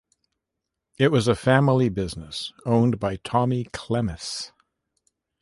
It was a family business owned by Tommy Klemis.